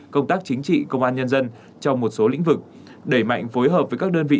công tác chính trị công an nhân dân trong một số lĩnh vực đẩy mạnh phối hợp với các đơn vị